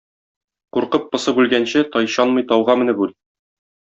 Куркып-посып үлгәнче, тайчанмый тауга менеп үл.